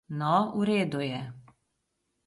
No, v redu je.